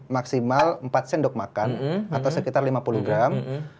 maksimal empat sendok makan atau sekitar lima puluh gram